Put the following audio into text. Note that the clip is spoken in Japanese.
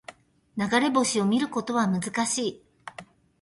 流れ星を見ることは難しい